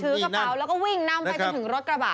ถือกระเป๋าแล้วก็วิ่งนำไปจนถึงรถกระบะ